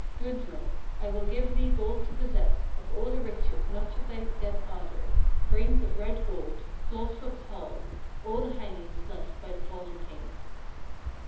25. "Gudrun! I will give thee gold to possess, of all the riches much of thy dead father; rings of red gold, Hlodver's halls, all the hangings left by the fallen king.